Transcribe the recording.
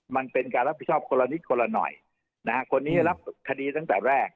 มันเป็นการรับผิดชอบคนละนิดคนละหน่อยนะฮะคนนี้รับคดีตั้งแต่แรก